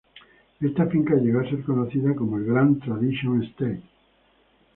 Esta finca llegó a ser conocida como el "Grand Tradition Estate".